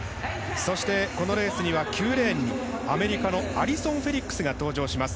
そしてこのレースには９レーンアメリカのアリソン・フェリックスが登場します。